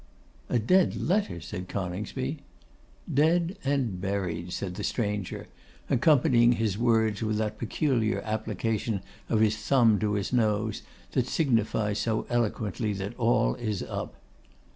'A dead letter!' said Coningsby. 'Dead and buried,' said the stranger, accompanying his words with that peculiar application of his thumb to his nose that signifies so eloquently that all is up.